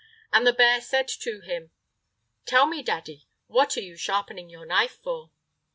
And the bear said to him: "Tell me, daddy, what are you sharpening your knife for?"